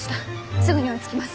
すぐに追いつきます。